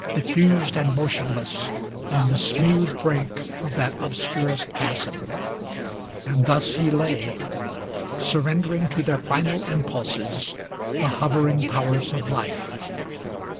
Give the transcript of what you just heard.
Diffused and motionless, on the smooth brink Of that obscurest chasm; ŌĆö and thus he lay. Surrendering to their final impulses The hovering powers of life.